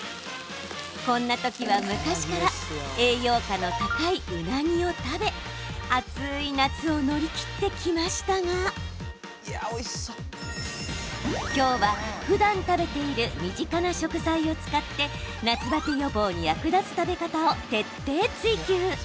こんな時は、昔から栄養価の高いうなぎを食べ暑い夏を乗り切ってきましたが今日は、ふだん食べている身近な食材を使って夏バテ予防に役立つ食べ方を徹底追求。